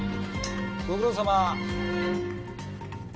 ご苦労さま。